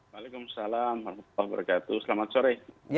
waalaikumsalam selamat sore